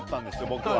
僕は。